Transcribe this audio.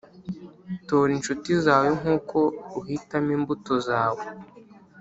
tora inshuti zawe nkuko uhitamo imbuto zawe